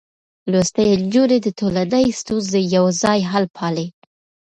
لوستې نجونې د ټولنې ستونزې يوځای حل پالي.